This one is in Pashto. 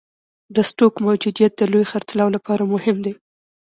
د سټوک موجودیت د لوی خرڅلاو لپاره مهم دی.